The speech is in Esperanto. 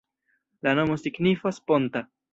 La nomo signifas: ponta.